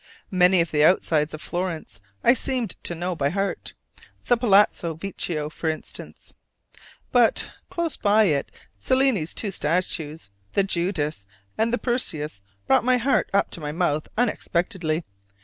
Many of the outsides of Florence I seemed to know by heart the Palazzo Vecchio for instance. But close by it Cellini's two statues, the Judith and the Perseus, brought my heart up to my mouth unexpectedly.